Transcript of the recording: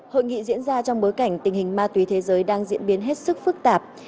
hội nghị diễn ra trong bối cảnh tình hình ma túy thế giới đang diễn biến hết sức phức tạp